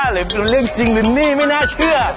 หรือเป็นเรื่องจริงหรือนี่ไม่น่าเชื่อ